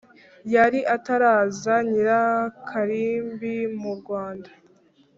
yari ataraza nyirakarimbi mu rwanda!